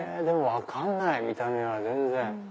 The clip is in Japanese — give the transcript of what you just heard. でも分かんない見た目は全然。